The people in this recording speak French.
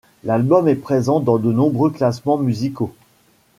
L'album est présent dans de nombreux classements musicaux.